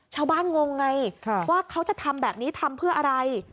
งงไงว่าเขาจะทำแบบนี้ทำเพื่ออะไร